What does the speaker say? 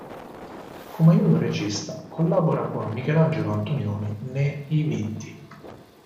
Come aiuto-regista collabora con Michelangelo Antonioni ne "I vinti".